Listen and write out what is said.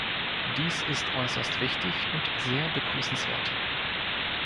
Dies ist äußerst wichtig und sehr begrüßenswert.